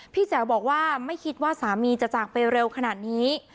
แจ๋วบอกว่าไม่คิดว่าสามีจะจากไปเร็วขนาดนี้